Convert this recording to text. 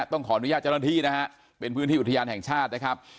ต้องขออนุญาตเจ้าหน้าที่นะฮะเป็นพื้นที่อุทยานแห่งชาตินะครับ